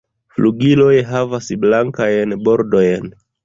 Flugiloj havas blankajn bordojn.